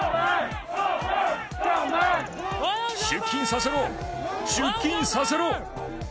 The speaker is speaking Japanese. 出勤させろ、出勤させろ。